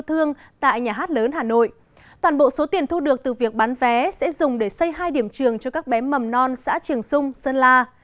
toàn bộ số tiền thu được từ việc bán vé sẽ dùng để xây hai điểm trường cho các bé mầm non xã trường sung sơn la